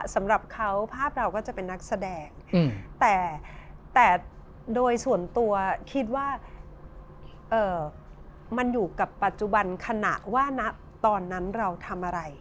สำหรับเขาภาพเราก็จะเป็นนักแสดงแต่โดยส่วนตัวคิดว่ามันอยู่กับปัจจุบันขณะว่านะตอนนั้นเราทำอะไร